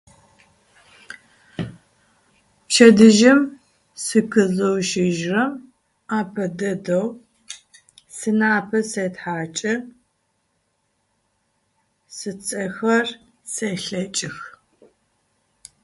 Пчэдыжьым сыкъызэушыжьырэм апэдэдэу сынапэ сэтхьэкӏы, сыцӏэхэр сэлъэкӏых.